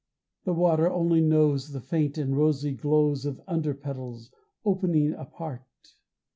The water only knows The faint and rosy glows Of under petals, opening apart.